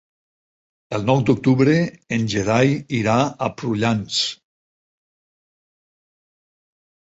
El nou d'octubre en Gerai irà a Prullans.